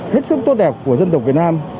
hết sức tốt đẹp của dân tộc việt nam